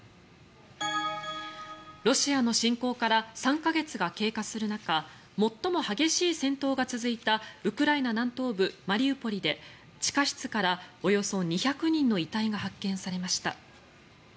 ロシアの侵攻から３か月が経過する中最も激しい戦闘が続いたウクライナ南東部マリウポリで地下室からおよそ２００人の遺体が発見されました。